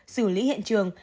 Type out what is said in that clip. xử lý hiện trường